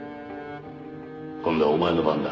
今度はお前の番だ。